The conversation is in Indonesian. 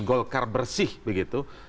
golkar bersih begitu